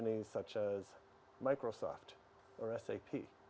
di perusahaan seperti microsoft atau sap